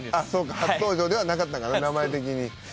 初登場ではなかったんかな名前的に。